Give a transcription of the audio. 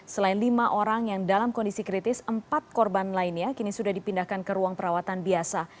selain lima orang yang dalam kondisi kritis empat korban lainnya kini sudah dipindahkan ke ruang perawatan biasa